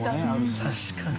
確かに。